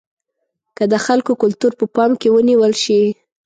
که د خلکو کلتور په پام کې ونیول شي.